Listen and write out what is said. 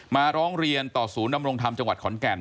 ร้องเรียนต่อศูนย์ดำรงธรรมจังหวัดขอนแก่น